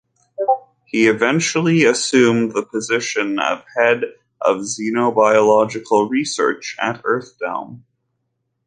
He eventually assumed the position of head of Xenobiological Research at EarthDome.